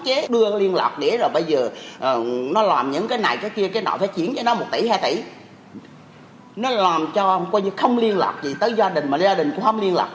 cho các đối tượng lừa đảo